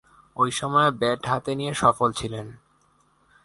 ঐ সময়ে ব্যাট হাতে নিয়ে সফল ছিলেন।